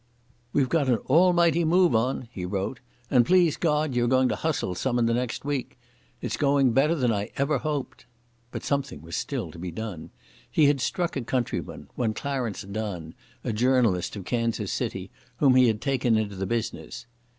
"We've got an almighty move on," he wrote, "and please God you're going to hustle some in the next week. It's going better than I ever hoped." But something was still to be done. He had struck a countryman, one Clarence Donne, a journalist of Kansas City, whom he had taken into the business.